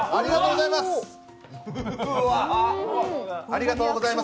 ありがとうございます。